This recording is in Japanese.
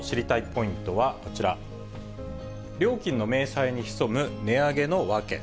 ポイントはこちら、料金の明細に潜む値上げの訳。